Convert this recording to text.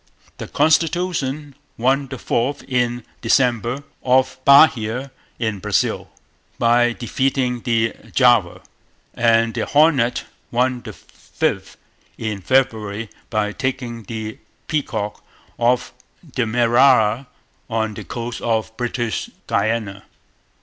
The Constitution won the fourth in December, off Bahia in Brazil, by defeating the Java. And the Hornet won the fifth in February, by taking the Peacock, off Demerara, on the coast of British Guiana.